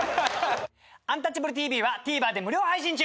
「アンタッチャブるＴＶ」はＴＶｅｒで無料配信中！